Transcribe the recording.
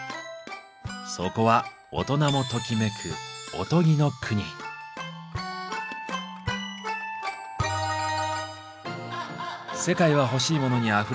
そこは大人もときめく「世界はほしいモノにあふれてる」。